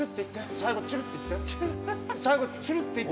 最後チュルっていって！